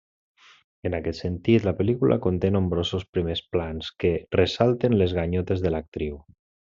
En aquest sentit la pel·lícula conté nombrosos primers plans que ressalten les ganyotes de l'actriu.